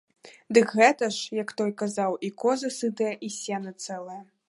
Дык гэта ж, як той казаў, і козы сытыя, і сена цэлае.